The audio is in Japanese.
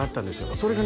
それがね